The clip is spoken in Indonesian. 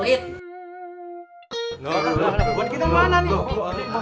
buat kita mana nih